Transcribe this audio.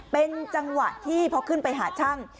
เป็นจังหวะที่พอขึ้นไปหาช่าง